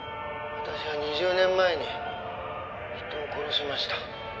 「私は２０年前に人を殺しました」